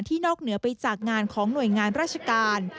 นอกเหนือไปจากงานของหน่วยงานราชการ